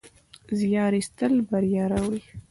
زیار ایستل بریا راوړي.